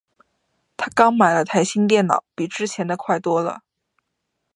她刚买了台新电脑，比之前的快多了。